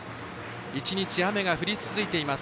１日、雨が降り続いています